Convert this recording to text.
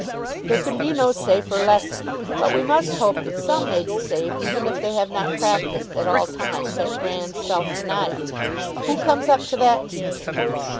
"There can be no safer lesson. But we must hope that some may be saved even if they have not practised at all times that grand self denial. Who comes up to that teaching?